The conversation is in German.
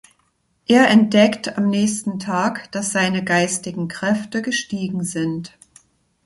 Er entdeckt am nächsten Tag, dass seine geistigen Kräfte gestiegen sind.